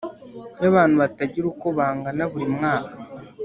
y’ abantu batagira uko bangana buri mwaka.